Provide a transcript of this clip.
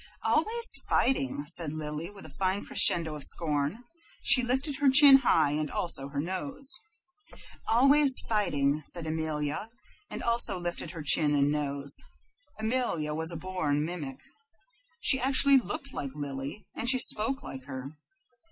"Always fighting," said Lily, with a fine crescendo of scorn. She lifted her chin high, and also her nose. "Always fighting," said Amelia, and also lifted her chin and nose. Amelia was a born mimic. She actually looked like Lily, and she spoke like her.